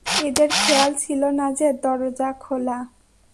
এদের খেয়াল ছিল না যে, দরজা খোলা।